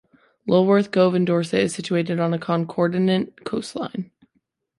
Lulworth Cove in Dorset is situated on a concordant coastline.